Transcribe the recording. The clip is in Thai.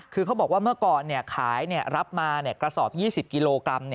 คือเขาบอกว่าเมื่อก่อนขายรับมากระสอบ๒๐กิโลกรัม